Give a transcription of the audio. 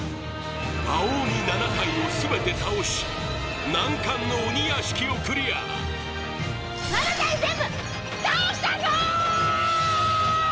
青鬼７体をすべて倒し難関の鬼屋敷をクリア７体全部倒したぞ！